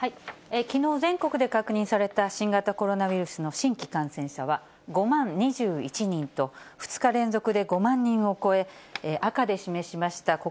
きのう、全国で確認された新型コロナウイルスの新規感染者は５万２１人と、２日連続で５万人を超え、赤で示しました